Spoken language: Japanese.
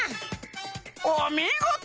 おみごと！